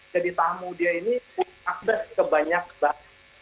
jadi tamu dia ini bisa akses ke banyak bahan